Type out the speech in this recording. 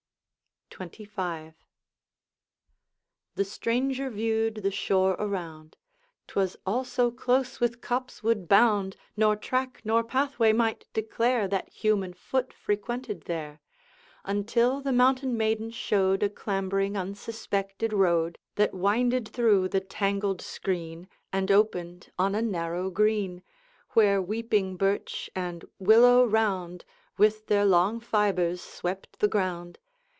XXV. The stranger viewed the shore around; 'T was all so close with copsewood bound, Nor track nor pathway might declare That human foot frequented there, Until the mountain maiden showed A clambering unsuspected road, That winded through the tangled screen, And opened on a narrow green, Where weeping birch and willow round With their long fibres swept the ground.